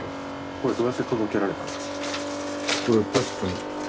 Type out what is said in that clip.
これどうやって届けられたんですか？